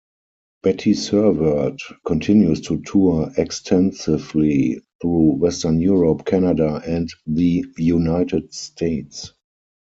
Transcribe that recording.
Bettie Serveert continues to tour extensively through Western Europe, Canada and the United States.